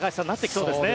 そうですね。